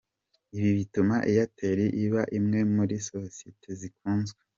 Ibi bituma Airtel iba imwe muri sosiyete zikunzwe.